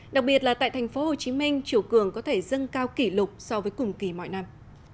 đặc biệt là tại thành phố hồ chí minh chiều cường có thể dâng cao kỷ lục so với cùng kỳ mọi năm